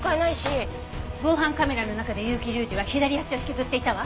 防犯カメラの中で結城隆司は左足を引きずっていたわ。